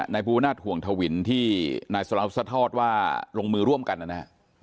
ภูนาศห่วงทวินที่นายสลาวสะทอดว่าลงมือร่วมกันนะฮะ